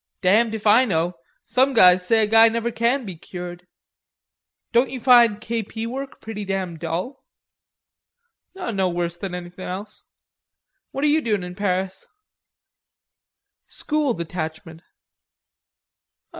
"Damned if I know.... Some guys say a guy never can be cured...." "Don't you find K.P. work pretty damn dull?" "No worse than anything else. What are you doin' in Paris?" "School detachment."